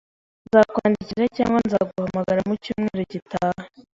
Nzakwandikira cyangwa nzaguhamagara mu cyumweru gitaha.